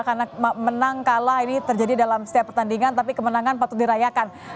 karena menang kalah ini terjadi dalam setiap pertandingan tapi kemenangan patut dirayakan